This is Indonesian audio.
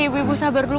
ibu ibu sabar dulu